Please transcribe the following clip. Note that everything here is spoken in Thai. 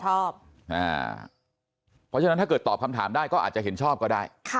เพราะฉะนั้นถ้าเกิดตอบคำถามได้ก็อาจจะเห็นชอบก็ได้